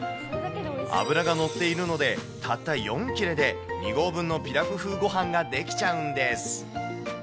脂が乗っているので、たった４切れで、２合分のピラフ風ごはんが出来ちゃうんです。